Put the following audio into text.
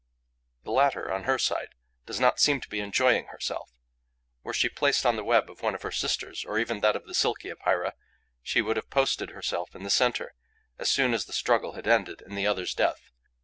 The latter, on her side, does not seem to be enjoying herself. Were she placed on the web of one of her sisters, or even on that of the Silky Epeira, she would have posted herself in the centre, as soon as the struggle had ended in the other's death.